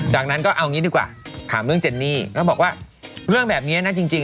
อย่างงี้ดีกว่าถามเรื่องเจนนี่เขาบอกว่าเรื่องแบบเนี้ยน่ะจริงจริง